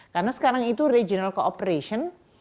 karena sekarang itu regional cooperation